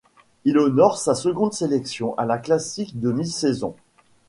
Il honore sa seconde sélection à la classique de mi-saison.